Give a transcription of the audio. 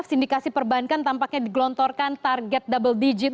sindikasi perbankan tampaknya digelontorkan target double digit